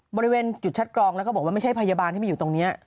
บริเวณจุดคัดกรองแล้วก็บอกว่าไม่ใช่พยาบาลที่มาอยู่ตรงนี้